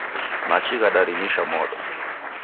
Machi ghadarimisha modo.